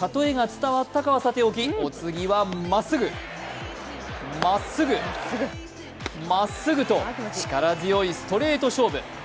たとえが伝わったかはさておきお次はまっすぐ、まっすぐ、まっすぐと力強いストレート勝負。